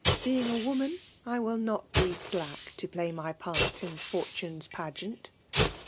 Being a woman, I will not be dack To play my part in fortune*! pageant.